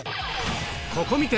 ここ観て！